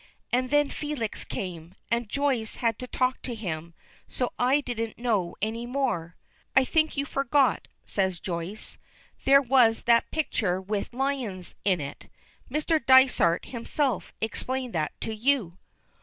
And then Felix came, and Joyce had to talk to him, so I didn't know any more." "I think you forget," says Joyce. "There was that picture with lions in it. Mr. Dysart himself explained that to you."